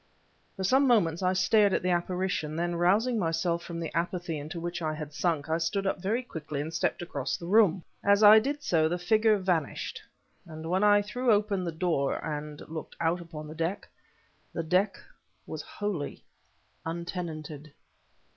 For some moments I stared at the apparition; then, rousing myself from the apathy into which I had sunk, I stood up very quickly and stepped across the room. As I did so the figure vanished, and when I threw open the door and looked out upon the deck... the deck was wholly untenanted!